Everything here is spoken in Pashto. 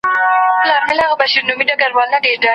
هغه په خپل باغ کې د مسواک د ونې بوټي کښېنول.